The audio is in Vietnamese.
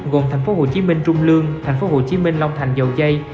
gồm tp hcm trung lương tp hcm long thành dầu dây